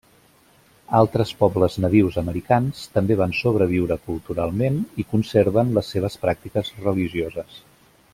Altres pobles nadius americans també van sobreviure culturalment i conserven les seves pràctiques religioses.